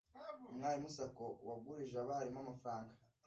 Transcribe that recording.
umwarimu sacco wa gurije abarimu amafaranga